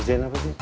ngerjain apa pi